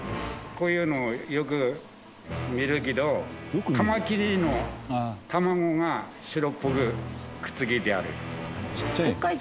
こういうのよく見るけどカマキリの卵が白っぽくくっつけてある。